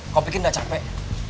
kau pikir gak capek